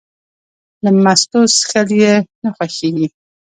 له مستو څښل یې نه خوښېږي.